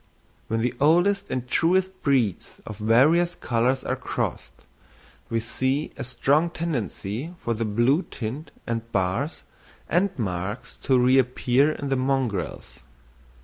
When the oldest and truest breeds of various colours are crossed, we see a strong tendency for the blue tint and bars and marks to reappear in the mongrels.